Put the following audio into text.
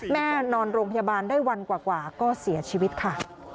นอนโรงพยาบาลได้วันกว่าก็เสียชีวิตค่ะ